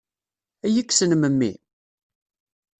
Ad iyi-kksen memmi?